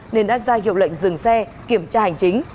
nên đã ra hiệu lệnh dừng xe kiểm tra hành chính